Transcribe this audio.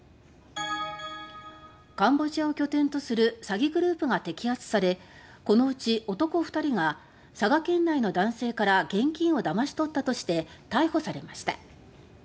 カンボジアを拠点とする詐欺グループが摘発されこのうち男２人が佐賀県内の男性から現金をだましとったとして逮捕されました。